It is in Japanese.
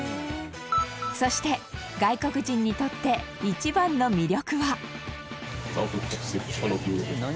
そして、外国人にとって一番の魅力はウエンツ：何？